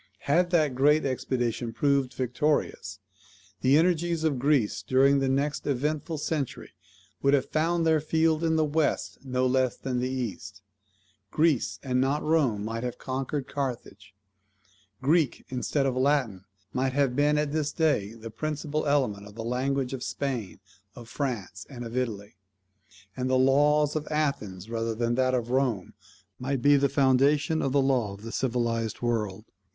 Had that great expedition proved victorious, the energies of Greece during the next eventful century would have found their field in the West no less than in the East; Greece, and not Rome, might have conquered Carthage; Greek instead of Latin might have been at this day the principal element of the language of Spain, of France, and of Italy; and the laws of Athens, rather than of Rome, might be the foundation of the law of the civilized world."